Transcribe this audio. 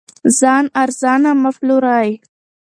ځان ارزانه مه پلورئ.